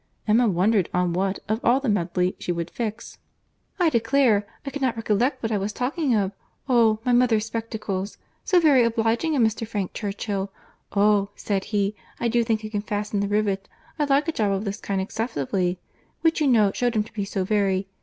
Emma wondered on what, of all the medley, she would fix. "I declare I cannot recollect what I was talking of.—Oh! my mother's spectacles. So very obliging of Mr. Frank Churchill! 'Oh!' said he, 'I do think I can fasten the rivet; I like a job of this kind excessively.'—Which you know shewed him to be so very....